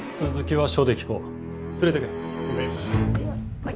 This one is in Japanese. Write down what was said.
はい。